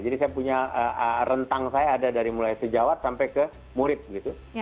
jadi saya punya rentang saya ada dari mulai sejawat sampai ke murid gitu